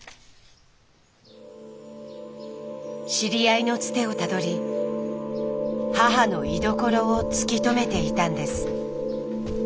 知り合いのつてをたどり母の居所を突き止めていたんです。